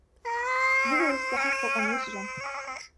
هو يستحِق أن يُسْجَن.